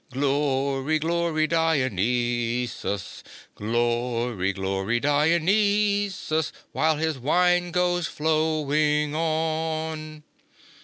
Glory, Glory, Dionysus! Glory, Glory, Dionysus! While his wine goes flowing on!